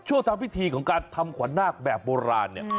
ช่วงตามพิธีของการทำขวานนากแบบโบราณเนี่ย